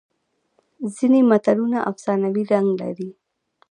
ځینې متلونه افسانوي رنګ لري